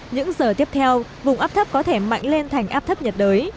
những giờ tiếp theo vùng áp thấp có thể mạnh lên thành áp thấp nhiệt đới